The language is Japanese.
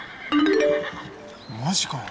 マジかよ。